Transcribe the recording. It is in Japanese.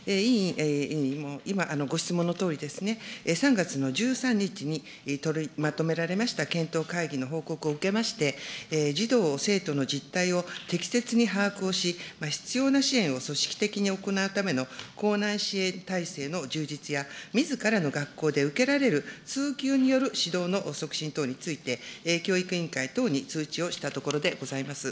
委員、今、ご質問のとおりですね、３月の１３日に取りまとめられました検討会議の報告を受けまして、児童・生徒の実態を、適切に把握をし、必要な支援を組織的に行うための校内支援体制の充実や、みずからの学校で受けられる通級による指導の促進等について、教育委員会等に通知をしたところでございます。